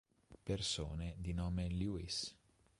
Persone di nome Lewis